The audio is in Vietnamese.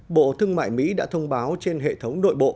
bộ thương mại mỹ đã thông báo trên hệ thống nội bộ